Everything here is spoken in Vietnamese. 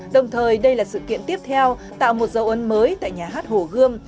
đồng thời đây là sự kiện tiếp theo tạo một dấu ấn mới tại nhà hát hồ gươm